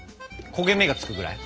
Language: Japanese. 焦げ目がつくぐらい？